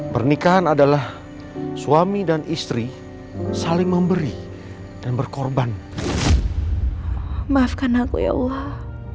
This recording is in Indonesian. perpisahan aku ya allah